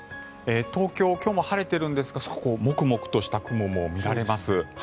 東京、今日も晴れているんですがモクモクとした雲も見られます。